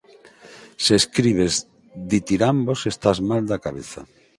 Se escribes ditirambos estás mal da cabeza